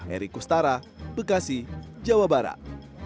eri kustara bekasi jawa barat